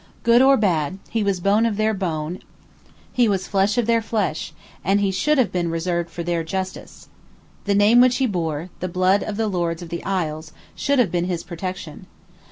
Good or bad, he was bone of their bone: he was flesh of their flesh; and he should have been reserved for their justice. The name which he bore, the blood of the Lords of the Isles, should have been his protection.